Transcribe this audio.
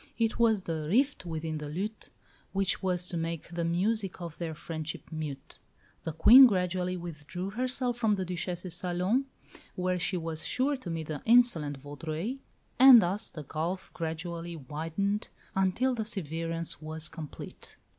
It was the "rift within the lute" which was to make the music of their friendship mute. The Queen gradually withdrew herself from the Duchesse's salon, where she was sure to meet the insolent Vaudreuil; and thus the gulf gradually widened until the severance was complete.